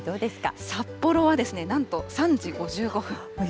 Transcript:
札幌はなんと３時５５分。